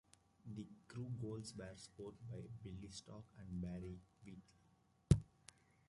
The Crewe goals were scored by Billy Stark and Barrie Wheatley.